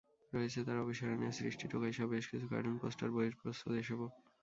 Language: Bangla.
রয়েছে তাঁর অবিস্মরণীয় সৃষ্টি টোকাইসহ বেশ কিছু কার্টুন, পোস্টার, বইয়ের প্রচ্ছদ এসবও।